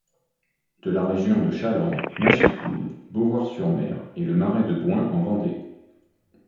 De la région de Challans, Machecoul, Beauvoir-sur-Mer et le Marais de Bouin en Vendée.